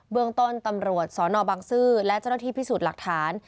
เมืองต้นตำรวจสนบังซื้อและเจ้าหน้าที่พิสูจน์หลักฐาน